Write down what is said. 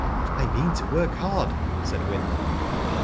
"I mean to work hard," said Wyndham.